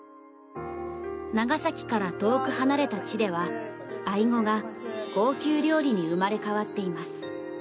長崎から遠く離れた地ではアイゴが高級料理に生まれ変わっています。